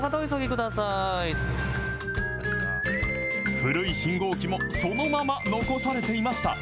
古い信号機もそのまま残されていました。